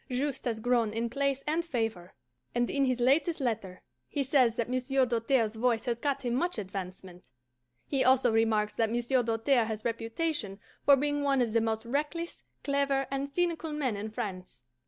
Juste has grown in place and favour, and in his latest letter he says that Monsieur Doltaire's voice has got him much advancement. He also remarks that Monsieur Doltaire has reputation for being one of the most reckless, clever, and cynical men in France.